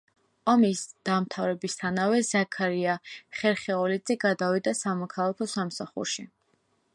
ომის დამთავრებისთანავე, ზაქარია ხერხეულიძე გადავიდა სამოქალაქო სამსახურში.